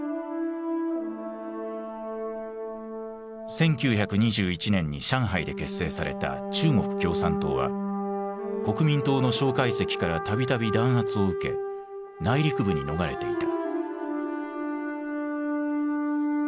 １９２１年に上海で結成された中国共産党は国民党の介石からたびたび弾圧を受け内陸部に逃れていた。